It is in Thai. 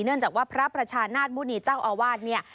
เนื่องจากว่าพระประชานาศมุณีเจ้าอาวาสเนี่ย